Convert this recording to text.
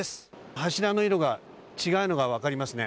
柱の色が違うのが分かりますね。